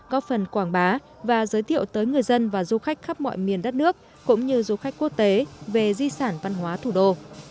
có phần quảng bá và giới thiệu tới người dân và du khách khắp mọi miền đất nước cũng như du khách quốc tế về di sản văn hóa thủ đô